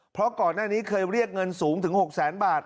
เพราะก่อนหน้านี้เคยเรียกเงินสูงถึง๖แสนบาท